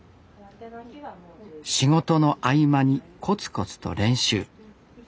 仕事の合間にコツコツと練習。